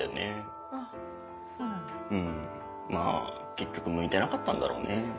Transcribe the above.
結局向いてなかったんだろうね。